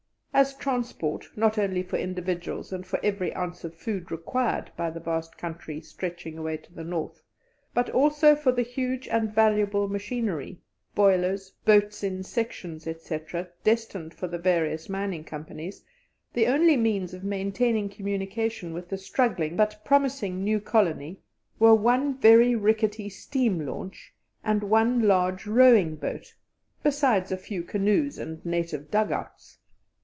As transport, not only for individuals and for every ounce of food required by the vast country stretching away to the north, but also for the huge and valuable machinery, boilers, boats in sections, etc., destined for the various mining companies, the only means of maintaining communication with the struggling but promising new colony were one very rickety steam launch and one large rowing boat, beside a few canoes and native dug outs.